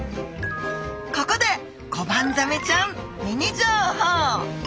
ここでコバンザメちゃんミニ情報！